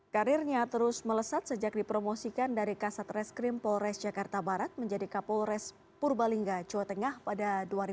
karirnya terus melesat sejak dipromosikan dari kasat reskrim polres jakarta barat menjadi kapolres purbalingga jawa tengah pada dua ribu dua